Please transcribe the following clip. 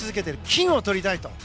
金をとりたいと。